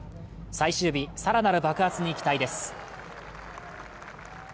最終日、更なる爆発に期待です。